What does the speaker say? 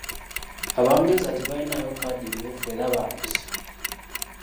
Abangereza tebalinaayo kkaadi mmyufu era bampisa.